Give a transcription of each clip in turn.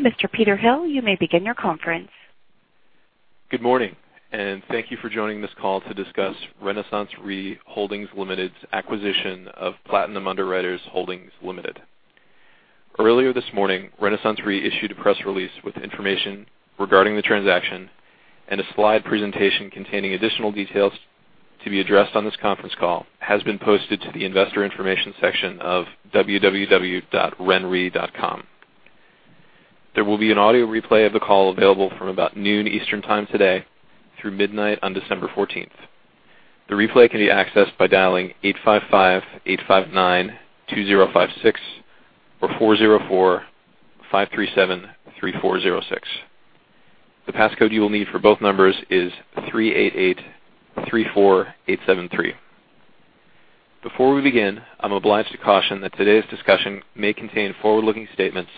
Thank you, Mr. Peter Hill. You may begin your conference. Good morning. Thank you for joining this call to discuss RenaissanceRe Holdings Limited's acquisition of Platinum Underwriters Holdings Limited. Earlier this morning, RenaissanceRe issued a press release with information regarding the transaction, and a slide presentation containing additional details to be addressed on this conference call has been posted to the investor information section of www.renre.com. There will be an audio replay of the call available from about noon Eastern Time today through midnight on December 14th. The replay can be accessed by dialing 855-859-2056 or 404-537-3406. The passcode you will need for both numbers is 38834873. Before we begin, I'm obliged to caution that today's discussion may contain forward-looking statements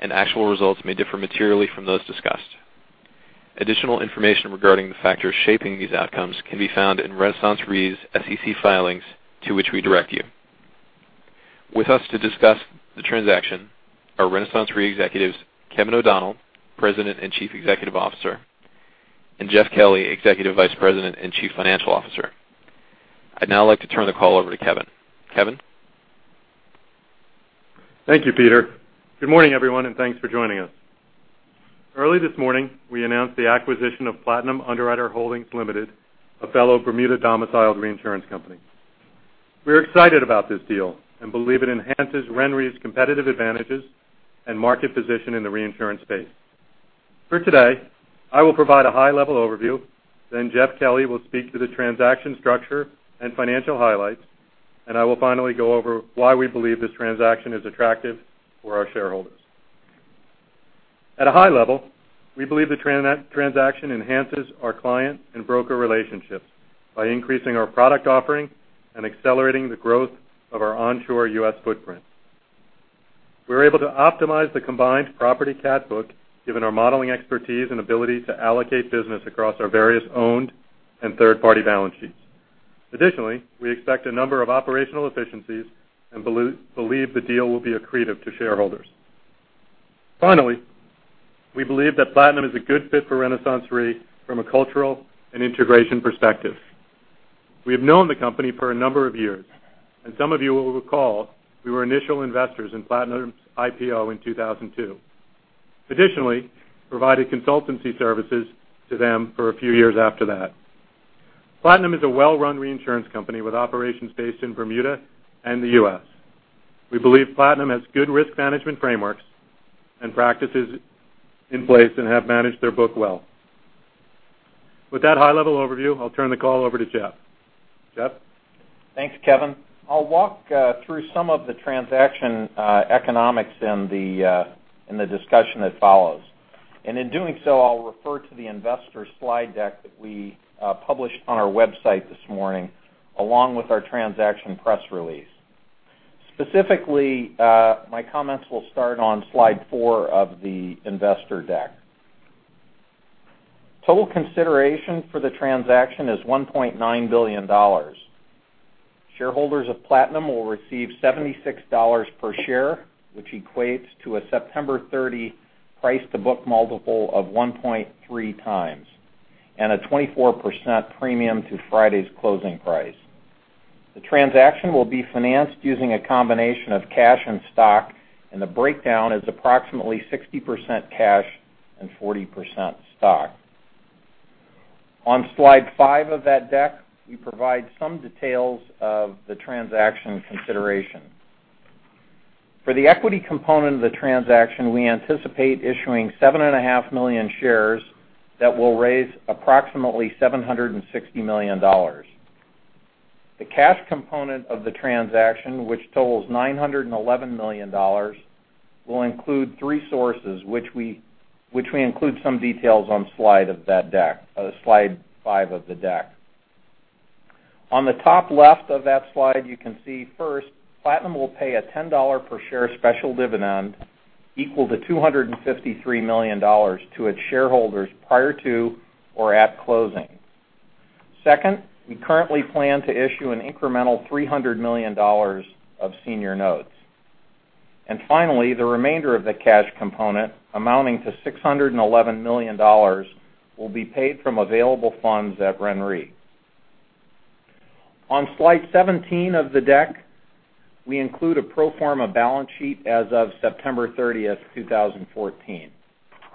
and actual results may differ materially from those discussed. Additional information regarding the factors shaping these outcomes can be found in RenaissanceRe's SEC filings to which we direct you. With us to discuss the transaction are RenaissanceRe executives Kevin O'Donnell, President and Chief Executive Officer, and Jeff Kelly, Executive Vice President and Chief Financial Officer. I'd now like to turn the call over to Kevin. Kevin? Thank you, Peter. Good morning, everyone. Thanks for joining us. Early this morning, we announced the acquisition of Platinum Underwriters Holdings Limited, a fellow Bermuda-domiciled reinsurance company. We're excited about this deal and believe it enhances RenRe's competitive advantages and market position in the reinsurance space. For today, I will provide a high-level overview. Jeff Kelly will speak to the transaction structure and financial highlights, and I will finally go over why we believe this transaction is attractive for our shareholders. At a high level, we believe the transaction enhances our client and broker relationships by increasing our product offering and accelerating the growth of our onshore U.S. footprint. We're able to optimize the combined property cat book, given our modeling expertise and ability to allocate business across our various owned and third-party balance sheets. Additionally, we expect a number of operational efficiencies and believe the deal will be accretive to shareholders. Finally, we believe that Platinum is a good fit for RenaissanceRe from a cultural and integration perspective. We have known the company for a number of years, and some of you will recall we were initial investors in Platinum's IPO in 2002. We provided consultancy services to them for a few years after that. Platinum is a well-run reinsurance company with operations based in Bermuda and the U.S. We believe Platinum has good risk management frameworks and practices in place and have managed their book well. With that high-level overview, I'll turn the call over to Jeff. Jeff? Thanks, Kevin. I'll walk through some of the transaction economics in the discussion that follows. In doing so, I'll refer to the investor slide deck that we published on our website this morning, along with our transaction press release. Specifically, my comments will start on slide four of the investor deck. Total consideration for the transaction is $1.9 billion. Shareholders of Platinum will receive $76 per share, which equates to a September 30 price to book multiple of 1.3 times and a 24% premium to Friday's closing price. The transaction will be financed using a combination of cash and stock. The breakdown is approximately 60% cash and 40% stock. On slide five of that deck, we provide some details of the transaction consideration. For the equity component of the transaction, we anticipate issuing 7.5 million shares that will raise approximately $760 million. The cash component of the transaction, which totals $911 million, will include three sources, which we include some details on slide five of the deck. On the top left of that slide, you can see first, Platinum will pay a $10 per share special dividend equal to $253 million to its shareholders prior to or at closing. Second, we currently plan to issue an incremental $300 million of senior notes. Finally, the remainder of the cash component amounting to $611 million will be paid from available funds at RenRe. On slide 17 of the deck, we include a pro forma balance sheet as of September 30th, 2014.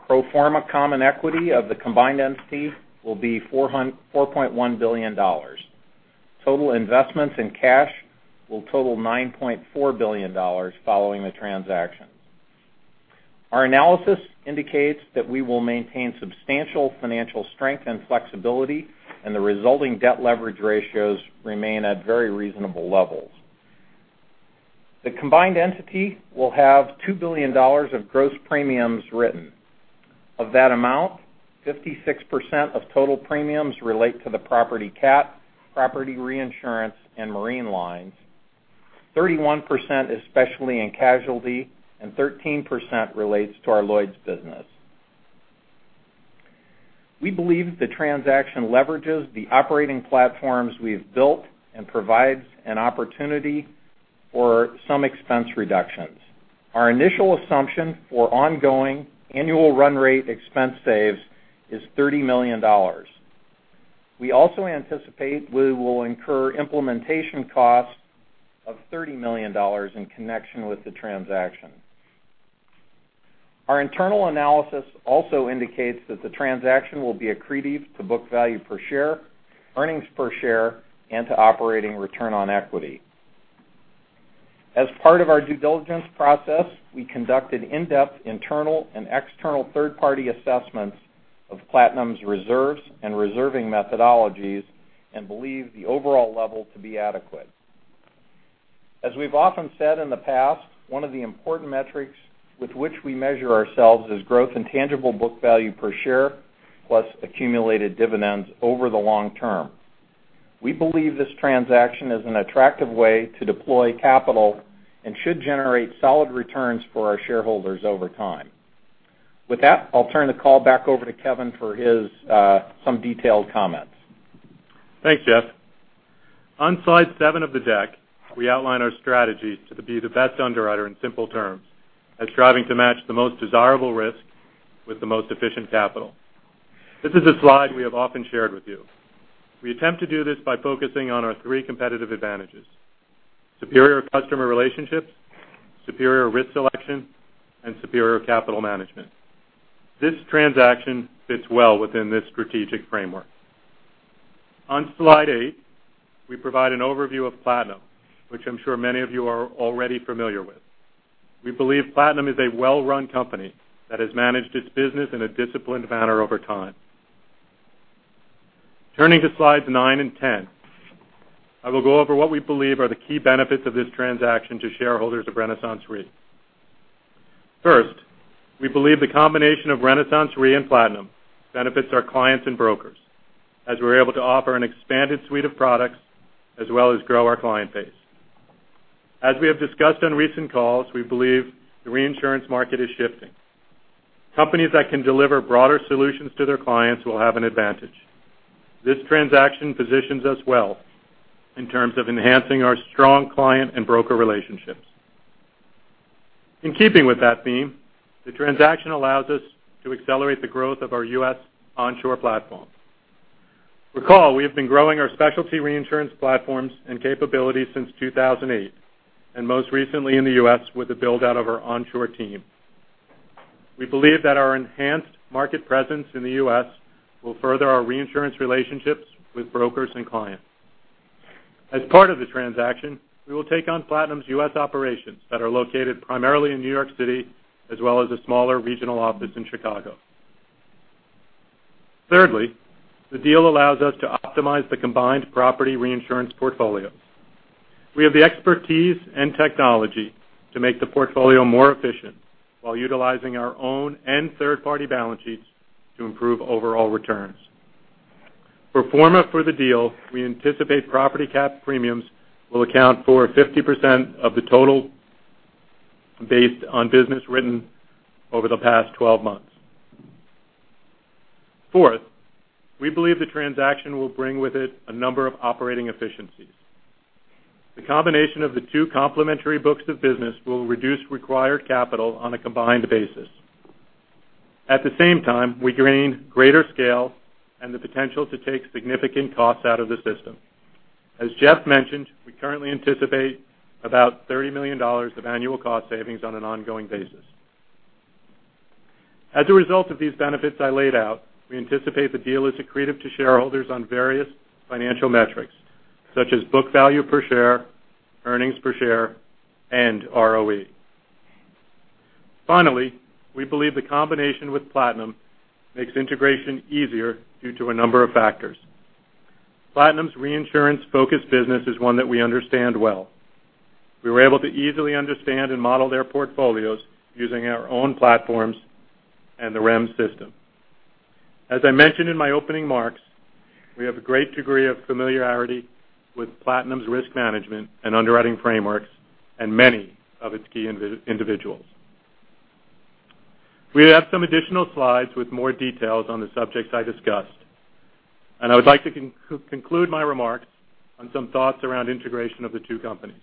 Pro forma common equity of the combined entity will be $4.1 billion. Total investments in cash will total $9.4 billion following the transaction. Our analysis indicates that we will maintain substantial financial strength and flexibility. The resulting debt leverage ratios remain at very reasonable levels. The combined entity will have $2 billion of gross premiums written. Of that amount, 56% of total premiums relate to the property cat, property reinsurance, and marine lines, 31% is specialty and casualty, and 13% relates to our Lloyd's business. We believe the transaction leverages the operating platforms we've built and provides an opportunity for some expense reductions. Our initial assumption for ongoing annual run rate expense saves is $30 million. We also anticipate we will incur implementation costs of $30 million in connection with the transaction. Our internal analysis also indicates that the transaction will be accretive to book value per share, earnings per share, and to operating return on equity. As part of our due diligence process, we conducted in-depth internal and external third-party assessments of Platinum's reserves and reserving methodologies and believe the overall level to be adequate. As we've often said in the past, one of the important metrics with which we measure ourselves is growth in tangible book value per share plus accumulated dividends over the long term. We believe this transaction is an attractive way to deploy capital and should generate solid returns for our shareholders over time. With that, I'll turn the call back over to Kevin for some detailed comments. Thanks, Jeff. On slide seven of the deck, we outline our strategy to be the best underwriter in simple terms, striving to match the most desirable risk with the most efficient capital. This is a slide we have often shared with you. We attempt to do this by focusing on our three competitive advantages: superior customer relationships, superior risk selection, and superior capital management. This transaction fits well within this strategic framework. On slide eight, we provide an overview of Platinum, which I'm sure many of you are already familiar with. We believe Platinum is a well-run company that has managed its business in a disciplined manner over time. Turning to slides nine and 10, I will go over what we believe are the key benefits of this transaction to shareholders of RenaissanceRe. First, we believe the combination of RenaissanceRe and Platinum benefits our clients and brokers, as we're able to offer an expanded suite of products, as well as grow our client base. As we have discussed on recent calls, we believe the reinsurance market is shifting. Companies that can deliver broader solutions to their clients will have an advantage. This transaction positions us well in terms of enhancing our strong client and broker relationships. In keeping with that theme, the transaction allows us to accelerate the growth of our U.S. onshore platform. Recall, we have been growing our specialty reinsurance platforms and capabilities since 2008, and most recently in the U.S. with the build-out of our onshore team. We believe that our enhanced market presence in the U.S. will further our reinsurance relationships with brokers and clients. As part of the transaction, we will take on Platinum's U.S. operations that are located primarily in New York City, as well as a smaller regional office in Chicago. Thirdly, the deal allows us to optimize the combined property reinsurance portfolios. We have the expertise and technology to make the portfolio more efficient while utilizing our own and third-party balance sheets to improve overall returns. Pro forma for the deal, we anticipate property cat premiums will account for 50% of the total based on business written over the past 12 months. Fourth, we believe the transaction will bring with it a number of operating efficiencies. The combination of the two complementary books of business will reduce required capital on a combined basis. At the same time, we gain greater scale and the potential to take significant costs out of the system. As Jeff mentioned, we currently anticipate about $30 million of annual cost savings on an ongoing basis. As a result of these benefits I laid out, we anticipate the deal is accretive to shareholders on various financial metrics, such as book value per share, earnings per share, and ROE. Finally, we believe the combination with Platinum makes integration easier due to a number of factors. Platinum's reinsurance-focused business is one that we understand well. We were able to easily understand and model their portfolios using our own platforms and the ReMS system. As I mentioned in my opening marks, we have a great degree of familiarity with Platinum's risk management and underwriting frameworks and many of its key individuals. We have some additional slides with more details on the subjects I discussed, and I would like to conclude my remarks on some thoughts around integration of the two companies.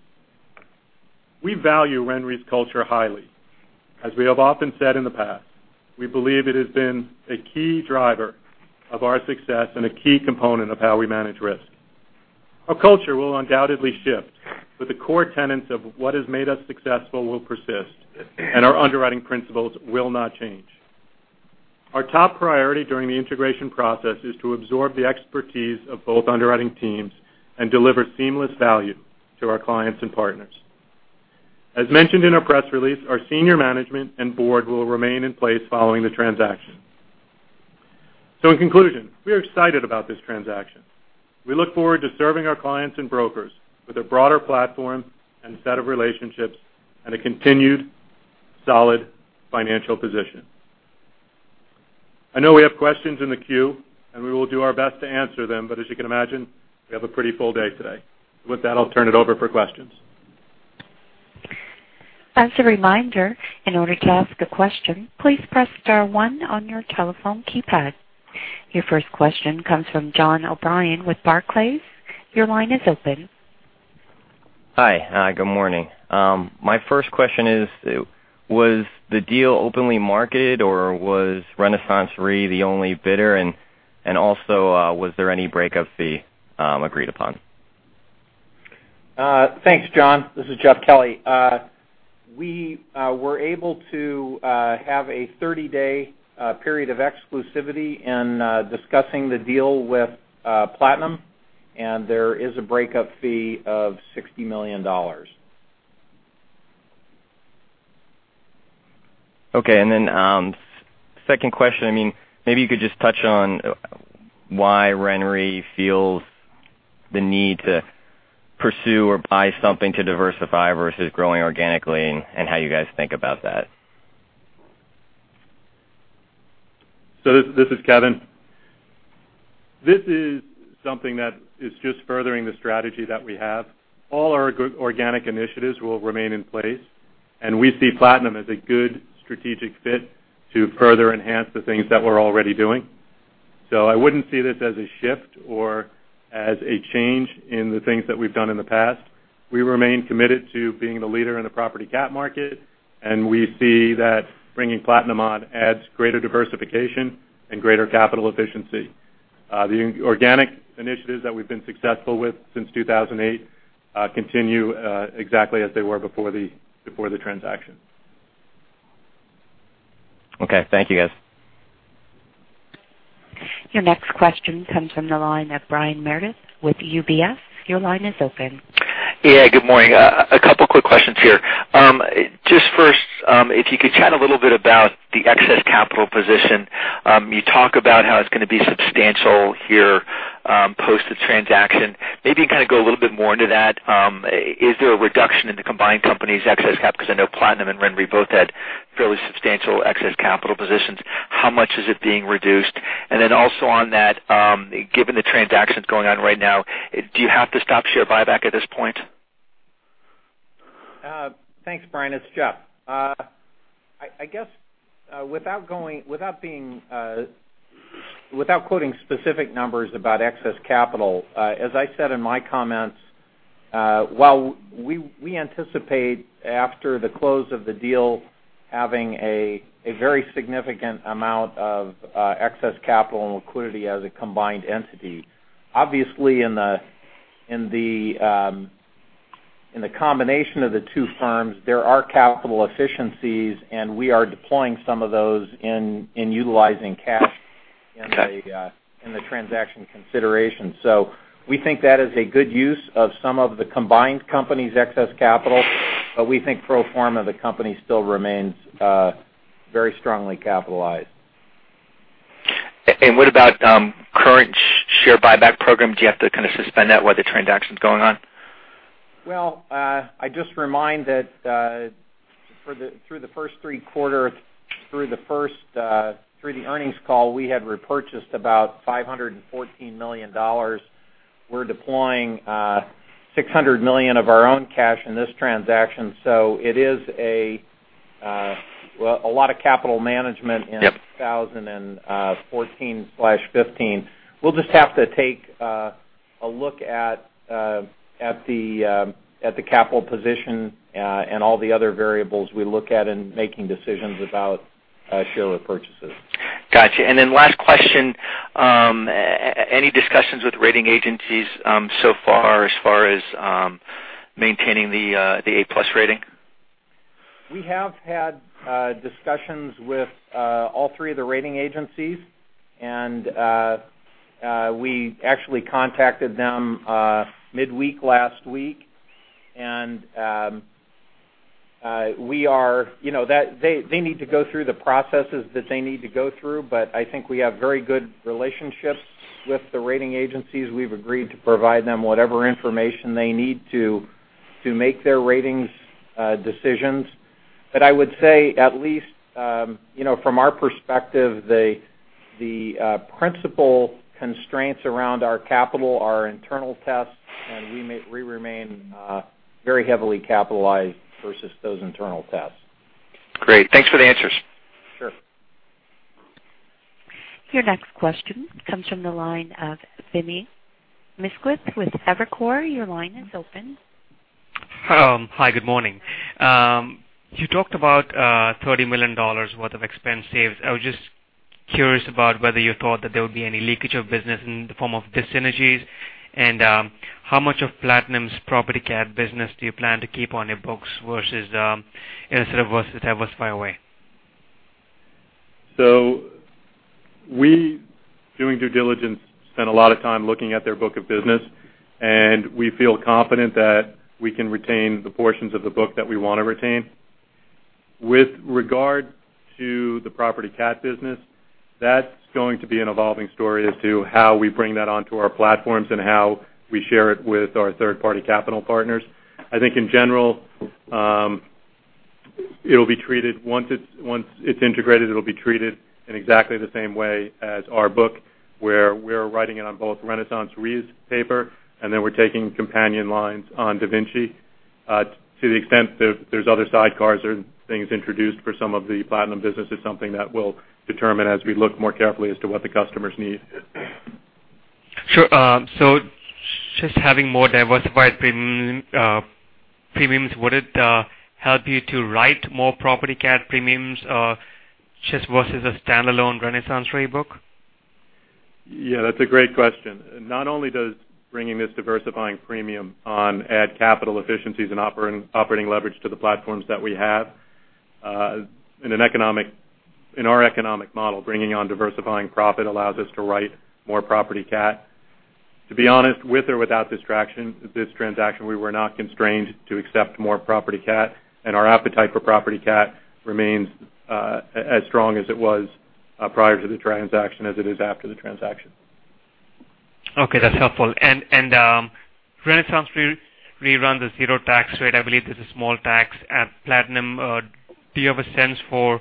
We value RenRe's culture highly. As we have often said in the past, we believe it has been a key driver of our success and a key component of how we manage risk. Our culture will undoubtedly shift, but the core tenets of what has made us successful will persist, and our underwriting principles will not change. Our top priority during the integration process is to absorb the expertise of both underwriting teams and deliver seamless value to our clients and partners. As mentioned in our press release, our senior management and board will remain in place following the transaction. In conclusion, we are excited about this transaction. We look forward to serving our clients and brokers with a broader platform and set of relationships and a continued solid financial position. I know we have questions in the queue, and we will do our best to answer them. As you can imagine, we have a pretty full day today. With that, I'll turn it over for questions. As a reminder, in order to ask a question, please press star one on your telephone keypad. Your first question comes from John O'Brien with Barclays. Your line is open. Hi. Good morning. My first question is, was the deal openly marketed, or was RenaissanceRe the only bidder? Also, was there any breakup fee agreed upon? Thanks, John. This is Jeff Kelly. We were able to have a 30-day period of exclusivity in discussing the deal with Platinum, there is a breakup fee of $60 million. Okay, second question, maybe you could just touch on why RenRe feels the need to pursue or buy something to diversify versus growing organically, how you guys think about that. This is Kevin. This is something that is just furthering the strategy that we have. All our organic initiatives will remain in place, we see Platinum as a good strategic fit to further enhance the things that we're already doing. I wouldn't see this as a shift or as a change in the things that we've done in the past. We remain committed to being the leader in the property cat market, we see that bringing Platinum on adds greater diversification and greater capital efficiency. The organic initiatives that we've been successful with since 2008 continue exactly as they were before the transaction. Okay, thank you, guys. Your next question comes from the line of Brian Meredith with UBS. Your line is open. Good morning. A couple quick questions here. Just first, if you could chat a little bit about the excess capital position. You talk about how it's going to be substantial here, post the transaction. Maybe kind of go a little bit more into that. Is there a reduction in the combined company's excess cap? Because I know Platinum and RenRe both had fairly substantial excess capital positions. How much is it being reduced? And then also on that, given the transactions going on right now, do you have to stop share buyback at this point? Thanks, Brian. It's Jeff. I guess without quoting specific numbers about excess capital, as I said in my comments, while we anticipate after the close of the deal having a very significant amount of excess capital and liquidity as a combined entity. Obviously, in the combination of the two firms, there are capital efficiencies, and we are deploying some of those in utilizing cash in the transaction consideration. We think that is a good use of some of the combined company's excess capital, but we think pro forma, the company still remains very strongly capitalized. What about current share buyback program? Do you have to kind of suspend that while the transaction's going on? Well, I just remind that through the first three quarters, through the earnings call, we had repurchased about $514 million. We're deploying $600 million of our own cash in this transaction. It is a lot of capital management in 2014/15. We'll just have to take a look at the capital position and all the other variables we look at in making decisions about share repurchases. Got you. Last question. Any discussions with rating agencies so far as far as maintaining the A+ rating? We have had discussions with all three of the rating agencies, we actually contacted them midweek last week. They need to go through the processes that they need to go through, I think we have very good relationships with the rating agencies. We've agreed to provide them whatever information they need to make their ratings decisions. I would say at least from our perspective, the principal constraints around our capital are internal tests, and we remain very heavily capitalized versus those internal tests. Great. Thanks for the answers. Sure. Your next question comes from the line of Vinay Misquith with Evercore. Your line is open. Hi. Good morning. You talked about $30 million worth of expense saves. I was just curious about whether you thought that there would be any leakage of business in the form of dis-synergies. How much of Platinum's property cat business do you plan to keep on your books instead of versus diversify away? We, doing due diligence, spent a lot of time looking at their book of business, and we feel confident that we can retain the portions of the book that we want to retain. With regard to the property cat business, that's going to be an evolving story as to how we bring that onto our platforms and how we share it with our third-party capital partners. It will be treated once it's integrated, it'll be treated in exactly the same way as our book, where we're writing it on both RenaissanceRe's paper, and then we're taking companion lines on DaVinciRe. To the extent there's other sidecars or things introduced for some of the Platinum business is something that we will determine as we look more carefully as to what the customers need. Sure. Just having more diversified premiums, would it help you to write more property cat premiums, just versus a standalone RenaissanceRe book? Yeah, that's a great question. Not only does bringing this diversifying premium on add capital efficiencies and operating leverage to the platforms that we have. In our economic model, bringing on diversifying profit allows us to write more property cat. To be honest, with or without this transaction, we were not constrained to accept more property cat, and our appetite for property cat remains as strong as it was prior to the transaction, as it is after the transaction. Okay, that's helpful. RenaissanceRe runs a zero tax rate. I believe there's a small tax at Platinum. Do you have a sense for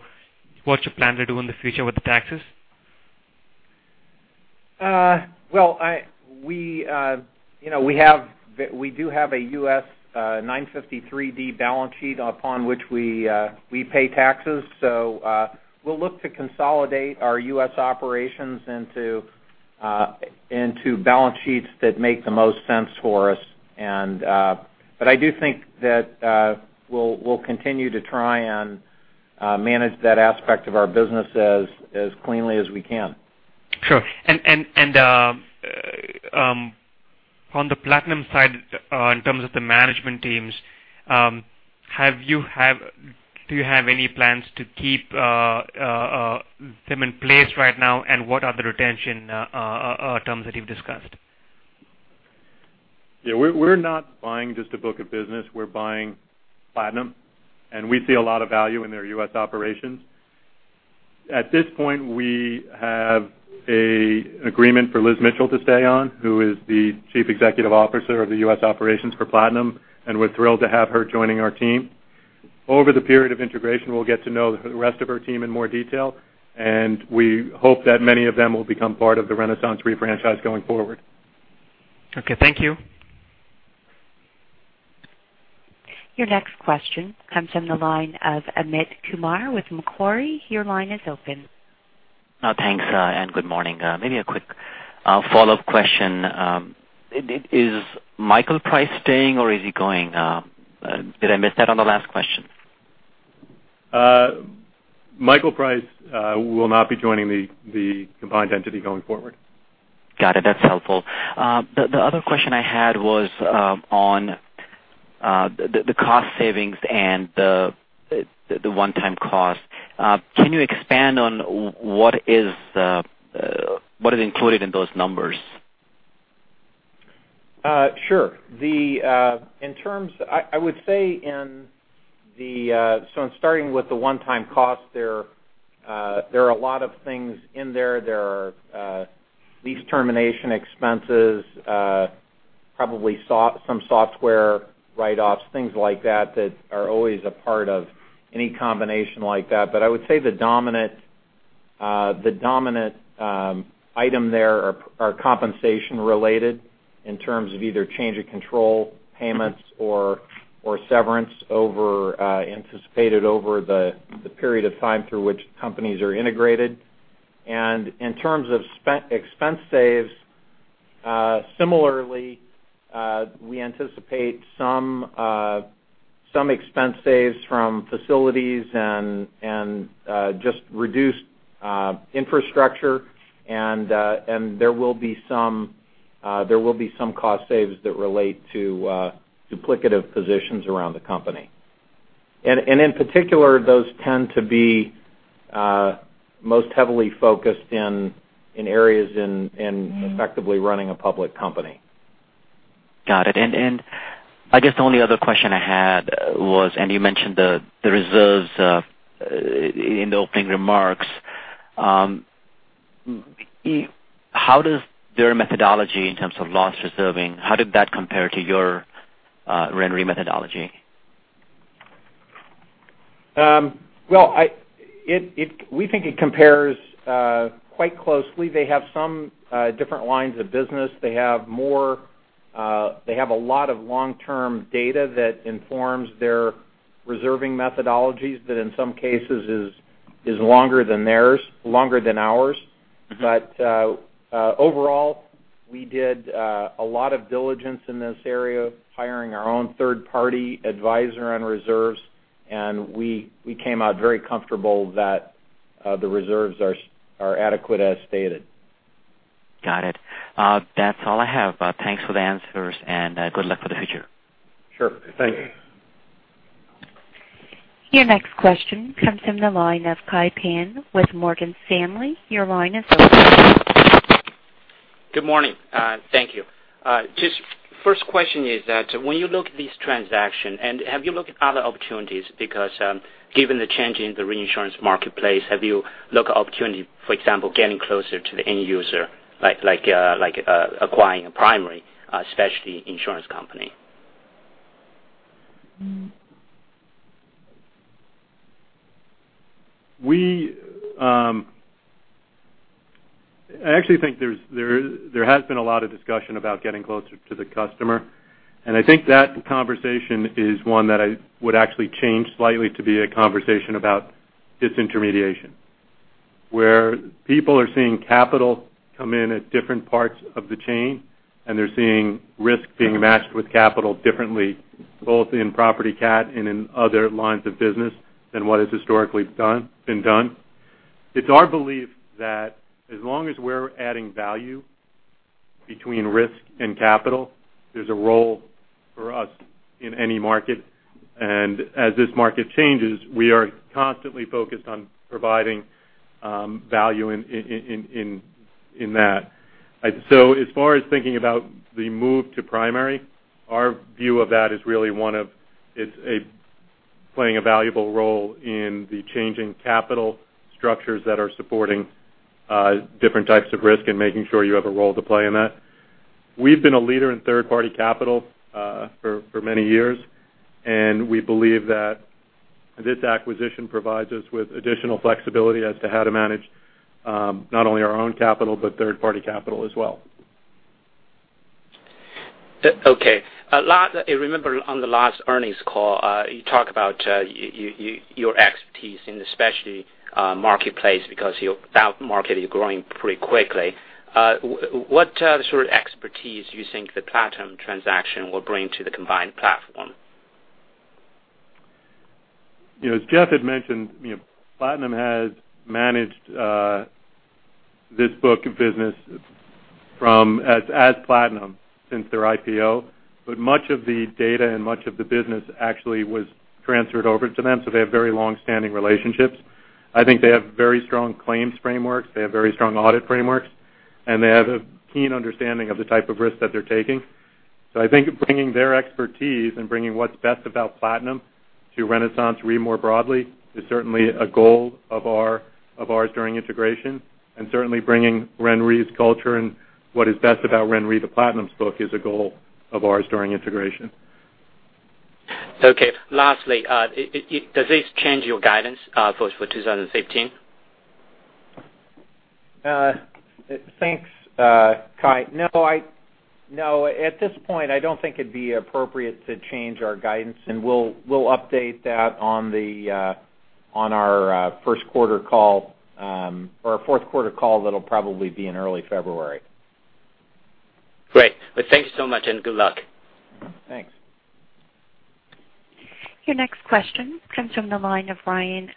what you plan to do in the future with the taxes? We do have a U.S. 953(d) balance sheet upon which we pay taxes. We'll look to consolidate our U.S. operations into balance sheets that make the most sense for us. I do think that we'll continue to try and manage that aspect of our business as cleanly as we can. Sure. On the Platinum side, in terms of the management teams, do you have any plans to keep them in place right now? What are the retention terms that you've discussed? Yeah. We're not buying just a book of business. We're buying Platinum, and we see a lot of value in their U.S. operations. At this point, we have an agreement for Liz Mitchell to stay on, who is the chief executive officer of the U.S. operations for Platinum, and we're thrilled to have her joining our team. Over the period of integration, we'll get to know the rest of her team in more detail, and we hope that many of them will become part of the RenaissanceRe franchise going forward. Okay, thank you. Your next question comes from the line of Amit Kumar with Macquarie. Your line is open. Thanks. Good morning. Maybe a quick follow-up question. Is Michael Price staying, or is he going? Did I miss that on the last question? Michael Price will not be joining the combined entity going forward. Got it. That's helpful. The other question I had was on the cost savings and the one-time cost. Can you expand on what is included in those numbers? Sure. I would say, in starting with the one-time cost there are a lot of things in there. There are lease termination expenses, probably some software write-offs, things like that are always a part of any combination like that. I would say the dominant item there are compensation related in terms of either change of control payments or severance anticipated over the period of time through which companies are integrated. In terms of expense saves, similarly, we anticipate some expense saves from facilities and just reduced infrastructure, and there will be some cost saves that relate to duplicative positions around the company. In particular, those tend to be most heavily focused in areas in effectively running a public company. Got it. I guess the only other question I had was, and you mentioned the reserves in the opening remarks. How does their methodology in terms of loss reserving, how did that compare to your RenRe methodology? Well, we think it compares quite closely. They have some different lines of business. They have a lot of long-term data that informs their reserving methodologies that in some cases is longer than ours. Overall, we did a lot of diligence in this area, hiring our own third-party advisor on reserves, and we came out very comfortable that the reserves are adequate as stated. Got it. That's all I have. Thanks for the answers and good luck for the future. Sure. Thank you. Your next question comes from the line of Kai Pan with Morgan Stanley. Your line is open. Good morning. Thank you. Just first question is that when you look at this transaction and have you looked at other opportunities because given the change in the reinsurance marketplace, have you looked at opportunity, for example, getting closer to the end user, like acquiring a primary specialty insurance company? I actually think there has been a lot of discussion about getting closer to the customer, and I think that conversation is one that I would actually change slightly to be a conversation about disintermediation, where people are seeing capital come in at different parts of the chain, and they're seeing risk being matched with capital differently, both in property cat and in other lines of business than what is historically been done. It's our belief that as long as we're adding value between risk and capital, there's a role for us in any market. As this market changes, we are constantly focused on providing value in that. As far as thinking about the move to primary, our view of that is really one of playing a valuable role in the changing capital structures that are supporting different types of risk and making sure you have a role to play in that. We've been a leader in third-party capital for many years, and we believe that this acquisition provides us with additional flexibility as to how to manage not only our own capital, but third-party capital as well. Okay. I remember on the last earnings call, you talked about your expertise in the specialty marketplace because that market is growing pretty quickly. What sort of expertise do you think the Platinum transaction will bring to the combined platform? As Jeff had mentioned, Platinum has managed this book of business as Platinum since their IPO. Much of the data and much of the business actually was transferred over to them, so they have very long-standing relationships. I think they have very strong claims frameworks. They have very strong audit frameworks, and they have a keen understanding of the type of risk that they're taking. I think bringing their expertise and bringing what's best about Platinum to RenaissanceRe more broadly is certainly a goal of ours during integration, and certainly bringing RenRe's culture and what is best about RenRe to Platinum's book is a goal of ours during integration. Okay. Lastly, does this change your guidance for 2015? Thanks, Kai. No, at this point, I don't think it'd be appropriate to change our guidance, and we'll update that on our first quarter call or our fourth quarter call that'll probably be in early February. Well, thank you so much and good luck. Thanks. Your next question comes from the line of Ryan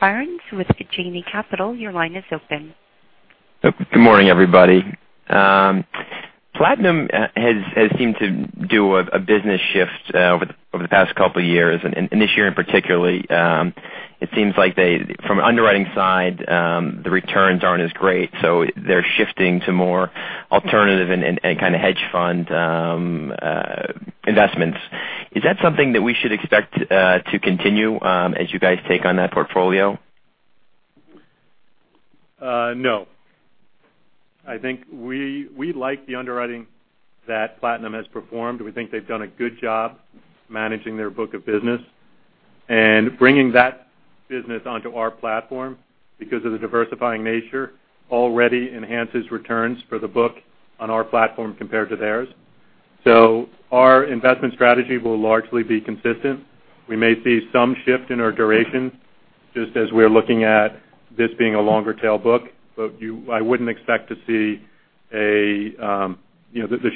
Byrnes with Janney Capital. Your line is open. Good morning, everybody. Platinum has seemed to do a business shift over the past couple of years, and this year in particular. It seems like from an underwriting side, the returns aren't as great, so they're shifting to more alternative and kind of hedge fund investments. Is that something that we should expect to continue as you guys take on that portfolio? No. I think we like the underwriting that Platinum has performed. We think they've done a good job managing their book of business. Bringing that business onto our platform because of the diversifying nature already enhances returns for the book on our platform compared to theirs. Our investment strategy will largely be consistent. We may see some shift in our duration just as we're looking at this being a longer tail book, but I wouldn't expect to see the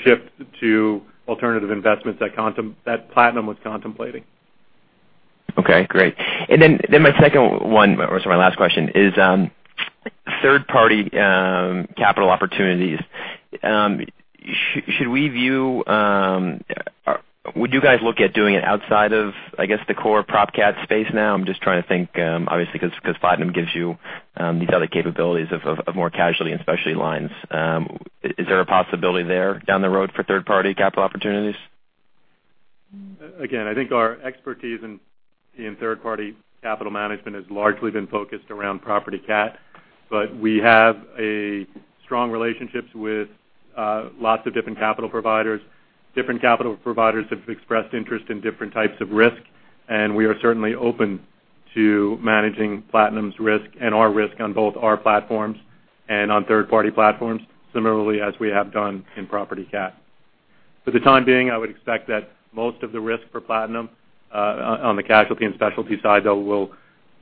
shift to alternative investments that Platinum was contemplating. Okay, great. My second one, or sorry, my last question is third-party capital opportunities. Would you guys look at doing it outside of, I guess, the core prop cat space now? I'm just trying to think, obviously, because Platinum gives you these other capabilities of more casualty and specialty lines. Is there a possibility there down the road for third-party capital opportunities? Again, I think our expertise in third-party capital management has largely been focused around property cat, but we have strong relationships with lots of different capital providers. Different capital providers have expressed interest in different types of risk, and we are certainly open to managing Platinum's risk and our risk on both our platforms and on third-party platforms, similarly as we have done in property cat. For the time being, I would expect that most of the risk for Platinum on the casualty and specialty side, though, will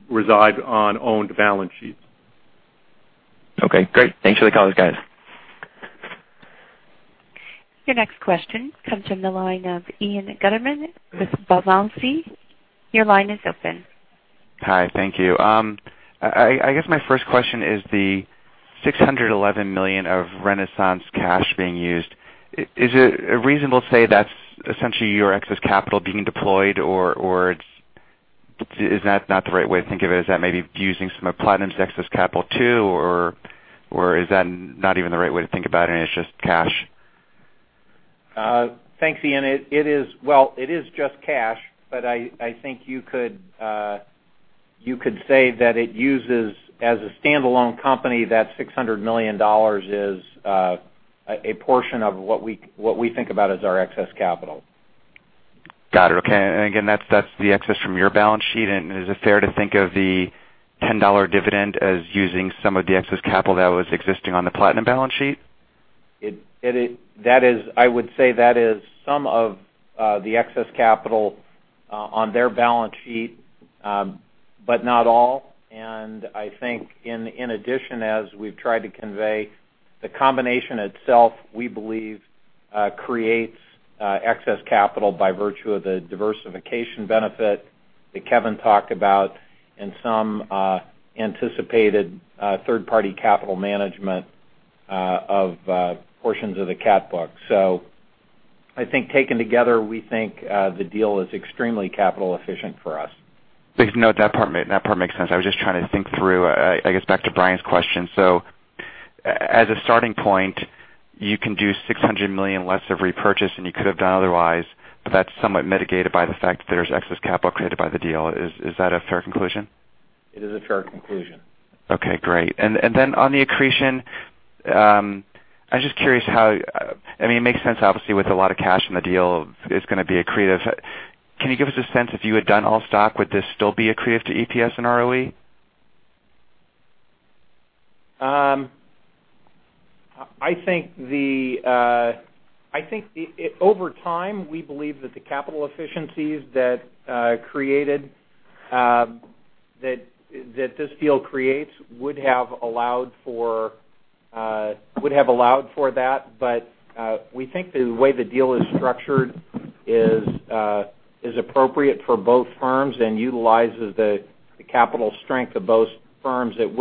reside on owned balance sheets. Okay, great. Thanks for the color, guys. Your next question comes from the line of Ian Gutterman with Valancy. Your line is open. Hi, thank you. I guess my first question is the $611 million of Renaissance cash being used. Is it reasonable to say that's essentially your excess capital being deployed? Is that not the right way to think of it? Is that maybe using some of Platinum's excess capital too? Is that not even the right way to think about it and it's just cash? Thanks, Ian. Well, it is just cash, but I think you could say that it uses as a standalone company, that $600 million is a portion of what we think about as our excess capital. Got it. Okay. Again, that's the excess from your balance sheet. Is it fair to think of the $10 dividend as using some of the excess capital that was existing on the Platinum balance sheet? I would say that is some of the excess capital on their balance sheet, but not all. I think in addition, as we've tried to convey, the combination itself, we believe creates excess capital by virtue of the diversification benefit that Kevin talked about and some anticipated third-party capital management of portions of the cat book. I think taken together, we think the deal is extremely capital efficient for us. No, that part makes sense. I was just trying to think through, I guess, back to Brian's question. As a starting point, you can do $600 million less of repurchase than you could have done otherwise, that's somewhat mitigated by the fact that there's excess capital created by the deal. Is that a fair conclusion? It is a fair conclusion. Okay, great. Then on the accretion, it makes sense, obviously, with a lot of cash in the deal, it's going to be accretive. Can you give us a sense if you had done all stock, would this still be accretive to EPS and ROE? I think over time, we believe that the capital efficiencies that this deal creates would have allowed for that. We think the way the deal is structured is appropriate for both firms and utilizes the capital strength of both firms. It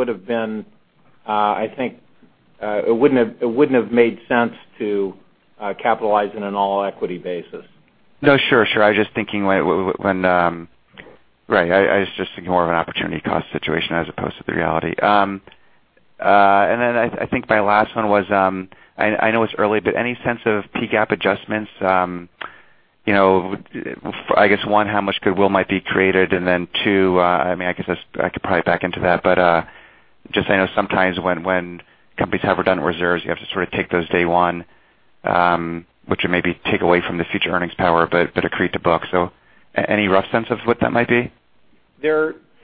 wouldn't have made sense to capitalize in an all-equity basis. No, sure. I was just thinking more of an opportunity cost situation as opposed to the reality. I think my last one was, I know it's early, but any sense of PGAAP adjustments? I guess, one, how much goodwill might be created? Then two, I could probably back into that, but just I know sometimes when companies have redundant reserves, you have to sort of take those day one, which will maybe take away from the future earnings power but accrete the book. Any rough sense of what that might be?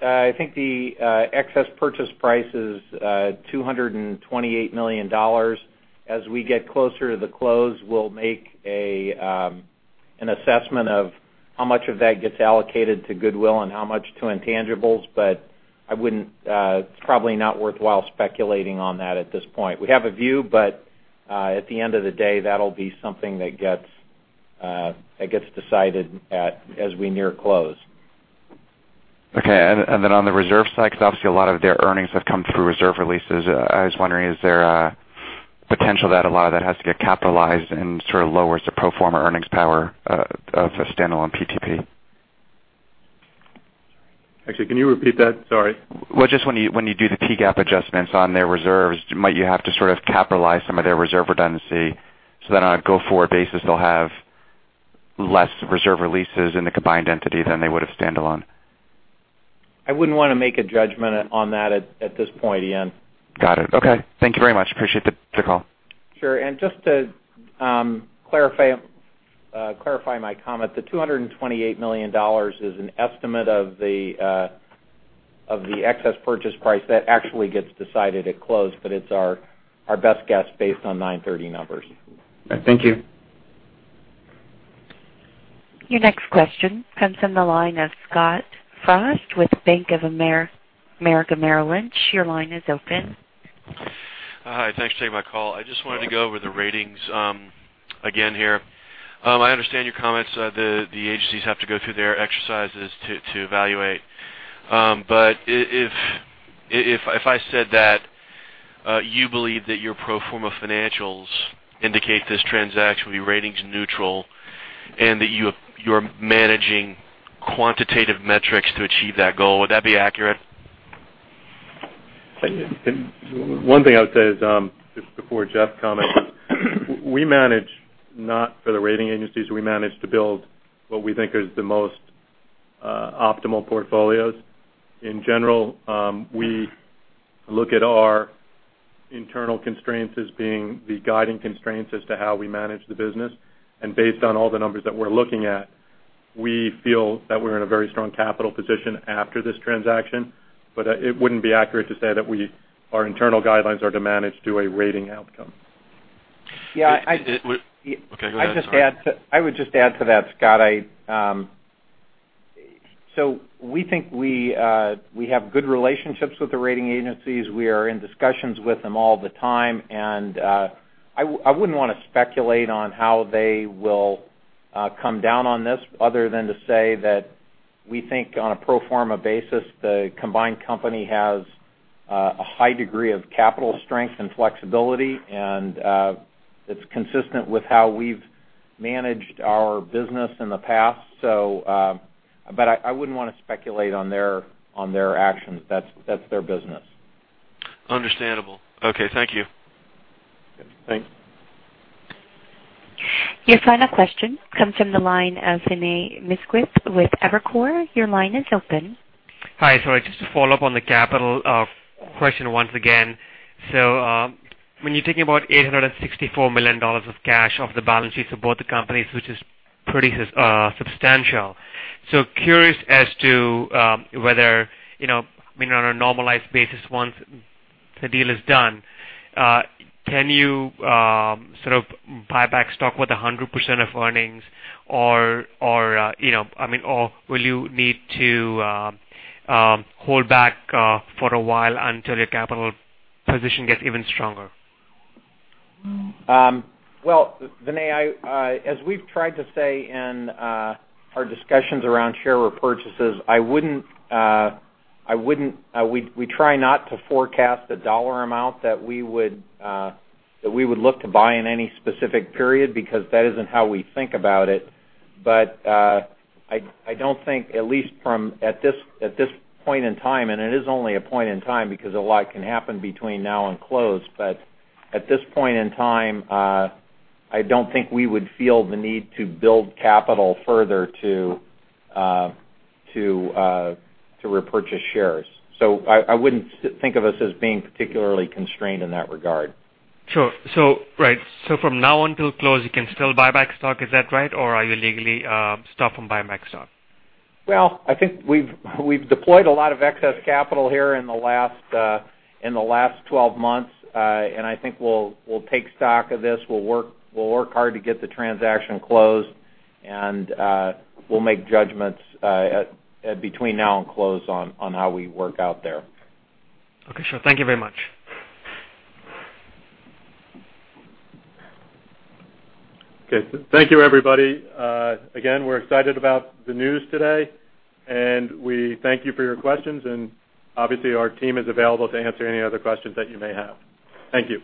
I think the excess purchase price is $228 million. As we get closer to the close, we'll make an assessment of how much of that gets allocated to goodwill and how much to intangibles. It's probably not worthwhile speculating on that at this point. We have a view, but at the end of the day, that'll be something that gets decided as we near close. Okay. On the reserve side, because obviously a lot of their earnings have come through reserve releases, I was wondering, is there a potential that a lot of that has to get capitalized and sort of lowers the pro forma earnings power of the standalone PTP? Actually, can you repeat that? Sorry. Well, just when you do the PGAAP adjustments on their reserves, might you have to sort of capitalize some of their reserve redundancy on a go-forward basis, they'll have less reserve releases in the combined entity than they would have standalone? I wouldn't want to make a judgment on that at this point, Ian. Got it. Okay. Thank you very much. Appreciate the call. Sure. Just to clarify my comment, the $228 million is an estimate of the excess purchase price that actually gets decided at close, but it's our best guess based on 930 numbers. Thank you. Your next question comes from the line of Scott Frost with Bank of America Merrill Lynch. Your line is open. Hi, thanks for taking my call. I just wanted to go over the ratings again here. I understand your comments. The agencies have to go through their exercises to evaluate. If I said that you believe that your pro forma financials indicate this transaction will be ratings neutral and that you're managing quantitative metrics to achieve that goal, would that be accurate? One thing I would say is, just before Jeff comments, we manage not for the rating agencies. We manage to build what we think is the most optimal portfolios. In general, we look at our internal constraints as being the guiding constraints as to how we manage the business. Based on all the numbers that we're looking at, we feel that we're in a very strong capital position after this transaction. It wouldn't be accurate to say that our internal guidelines are to manage to a rating outcome. Yeah. Okay, go ahead, sorry. I would just add to that, Scott. We think we have good relationships with the rating agencies. We are in discussions with them all the time, and I wouldn't want to speculate on how they will come down on this other than to say that we think on a pro forma basis, the combined company has a high degree of capital strength and flexibility, and it's consistent with how we've managed our business in the past. I wouldn't want to speculate on their actions. That's their business. Understandable. Okay. Thank you. Thanks. Your final question comes from the line of Vinay Misquith with Evercore. Your line is open. Hi. Sorry, just to follow up on the capital question once again. When you're thinking about $864 million of cash off the balance sheets of both the companies, which is pretty substantial. Curious as to whether, on a normalized basis, once the deal is done, can you buy back stock with 100% of earnings? Or will you need to hold back for a while until your capital position gets even stronger? Well, Vinay, as we've tried to say in our discussions around share repurchases, we try not to forecast the dollar amount that we would look to buy in any specific period, because that isn't how we think about it. I don't think, at least at this point in time, and it is only a point in time because a lot can happen between now and close, but at this point in time, I don't think we would feel the need to build capital further to repurchase shares. I wouldn't think of us as being particularly constrained in that regard. Sure. Right. From now until close, you can still buy back stock. Is that right? Or are you legally stopped from buying back stock? Well, I think we've deployed a lot of excess capital here in the last 12 months. I think we'll take stock of this. We'll work hard to get the transaction closed, and we'll make judgments between now and close on how we work out there. Okay, sure. Thank you very much. Okay. Thank you everybody. Again, we're excited about the news today, and we thank you for your questions, and obviously our team is available to answer any other questions that you may have. Thank you.